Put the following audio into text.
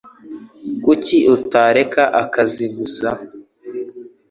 Kuki utareka akazi gusa